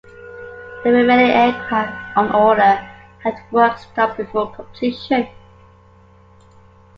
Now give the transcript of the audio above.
The remaining aircraft on order had work stopped before completion.